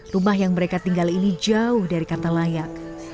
rumah yang mereka tinggal ini jauh dari kata layak